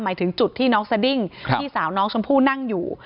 หมายถึงจุดที่น้องสดิ้งพี่สาวน้องชมพู่นั่งอยู่